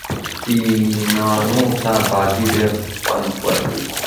فېنانو ته بازي ډېره خوند ورکوي.